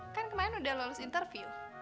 kan kemarin udah lolos interview